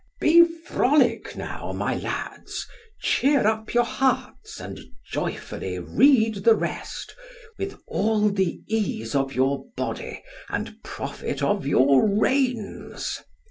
Be frolic now, my lads, cheer up your hearts, and joyfully read the rest, with all the ease of your body and profit of your reins.